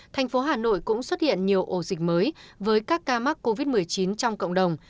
thành phố hà nội cũng xuất hiện nhiều ổ dịch mới với các ca mắc covid một mươi chín trong cộng đồng